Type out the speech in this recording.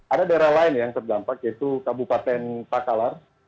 ada daerah lain yang terdampak yaitu kabupaten takalar